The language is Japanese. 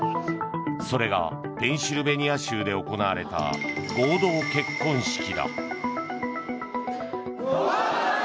それがペンシルベニア州で行われた合同結婚式だ。